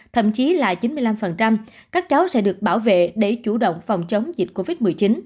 thậm chí là chín mươi năm các cháu sẽ được bảo vệ để chủ động phòng chống dịch covid một mươi chín